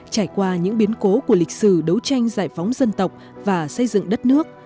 trải qua những biến cố của lịch sử đấu tranh giải phóng dân tộc và xây dựng đất nước